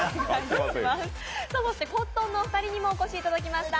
コットンのお二人にもお越しいただきました。